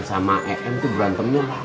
ya kan bertangga